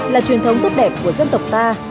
là truyền thống tốt đẹp của dân tộc ta